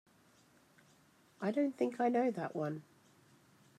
I don't think I know that one.